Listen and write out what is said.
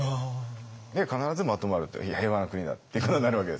必ずまとまるという平和な国だってことになるわけですね。